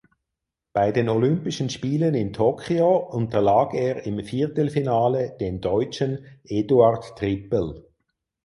Bei den Olympischen Spielen in Tokio unterlag er im Viertelfinale dem Deutschen Eduard Trippel.